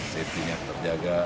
safety nya terjaga